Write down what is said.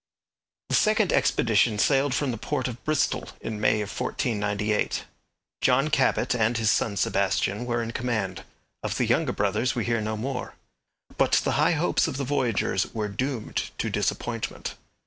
The second expedition sailed from the port of Bristol in May of 1498. John Cabot and his son Sebastian were in command; of the younger brothers we hear no more. But the high hopes of the voyagers were doomed to disappointment.